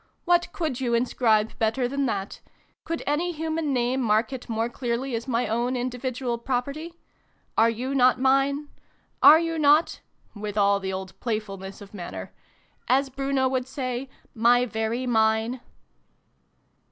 '' What could you inscribe better than that ? Could any human name mark it more clearly as my own individual property ? Are you not mine ? Are you not," (with all the old playfulness of manner) " as Bruno would say, ' my very mine